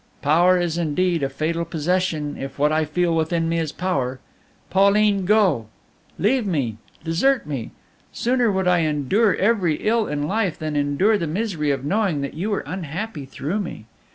"Power is indeed a fatal possession if what I feel within me is power. Pauline, go! Leave me, desert me! Sooner would I endure every ill in life than endure the misery of knowing that you were unhappy through me.